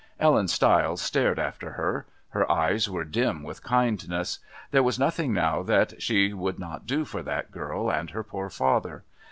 Ellen Stiles stared after her; her eyes were dim with kindness. There was nothing now that she would not do for that girl and her poor father!